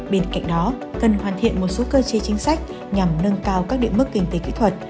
bên cạnh đó cần hoàn thiện một số cơ chế chính sách nhằm nâng cao các địa mức kinh tế kỹ thuật